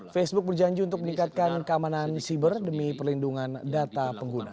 facebook berjanji untuk meningkatkan keamanan siber demi perlindungan data pengguna